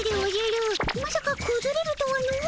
まさかくずれるとはの。